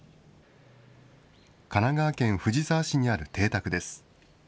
神奈川県藤沢市にある邸宅です。